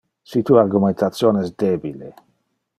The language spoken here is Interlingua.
Si tu argumentation es debile.